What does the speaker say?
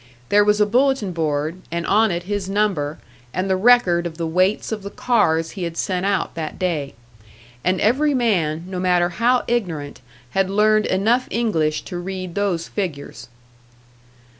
There was a bulletin board, and on it his number, and the record of the weights of the cars he had sent out that day. And every man, no matter how ignorant, had learned enough English to read those figures.